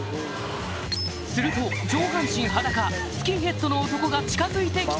すると上半身裸スキンヘッドの男が近づいて来た